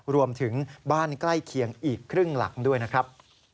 รวมถึงบ้านใกล้เคียงอีกครึ่งหลังด้วยนะครับ